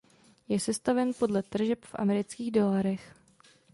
Je sestaven podle tržeb v amerických dolarech.